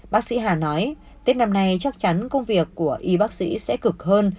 bác sĩ hà nói tết năm nay chắc chắn công việc của y bác sĩ sẽ cực hơn